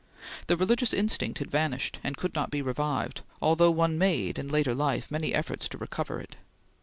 The religious instinct had vanished, and could not be revived, although one made in later life many efforts to recover it.